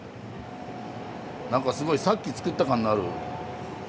何かすごいさっき作った感のある。